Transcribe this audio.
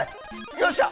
よっしゃ！